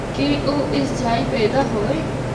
کہ او اس جائی پیدا ہویے۔